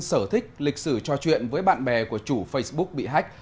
sở thích lịch sử trò chuyện với bạn bè của chủ facebook bị hách